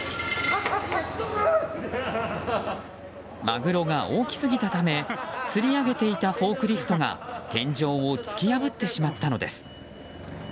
マグロが大きすぎたためつり上げていたフォークリフトが天井を突き破ってしまったのです。